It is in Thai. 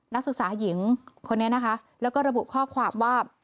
นักศึกษาหญิงคนนี้นะคะแล้วก็ระบุข้อความว่า